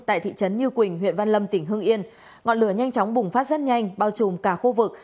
tại thị trấn như quỳnh huyện văn lâm tỉnh hưng yên ngọn lửa nhanh chóng bùng phát rất nhanh bao trùm cả khu vực